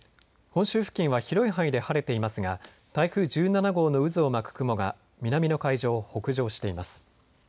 本州付近は広い範囲で晴れていますが台風１７号の渦を巻く雲が南の海上を北上しています。